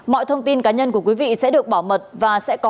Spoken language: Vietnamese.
mọi thông tin cá nhân của quý vị sẽ được bảo mật và sẽ có phụ đề